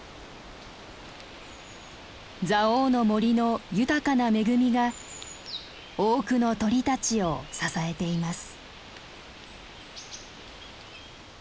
蔵王の森の豊かな恵みが多くの鳥たちを支えています。